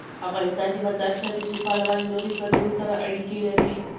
افغانستان د مزارشریف له پلوه له نورو هېوادونو سره اړیکې لري.